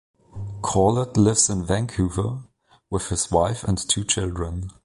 Corlett lives in Vancouver with his wife and two children.